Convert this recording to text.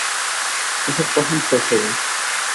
এসব কখন শেষ হবে?